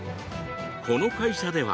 この会社では